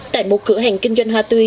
tại một cửa hàng kinh doanh hoa tươi